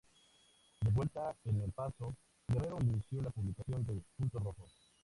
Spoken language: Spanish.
De vuelta en El Paso, Guerrero inició la publicación de "Punto Rojo".